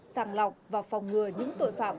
sàng lọc và phòng ngừa những tội phạm